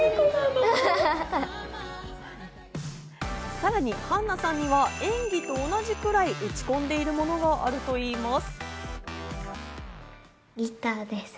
さらに絆菜さんには演技と同じくらい打ち込んでいるものがあるといいます。